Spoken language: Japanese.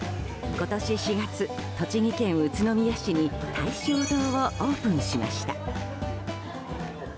今年４月、栃木県宇都宮市に大笑堂をオープンしました。